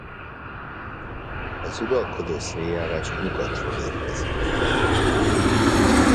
Az uralkodó széljárás nyugatról érkezik.